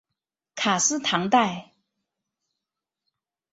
卡斯唐代。